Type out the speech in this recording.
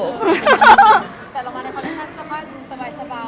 แต่เรามาในอื้อหลักทำให้มันดูสบาย